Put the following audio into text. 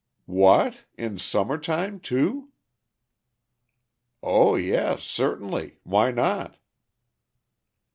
"What! in summer time, too?" "O yes! certainly, Why not?"